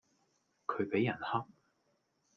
佢畀人恰